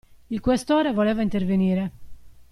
Il Questore voleva intervenire.